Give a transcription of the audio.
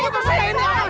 tuhan aku lagi disecari